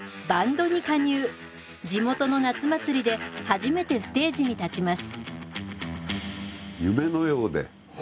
地元の夏祭りで初めてステージに立ちます。